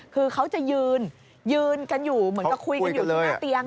คือเขาจะยืนยืนกันอยู่เหมือนกับคุยกันอยู่ที่หน้าเตียง